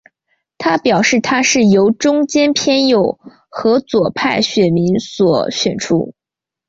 他表示他是由中间偏右和左派选民所选出。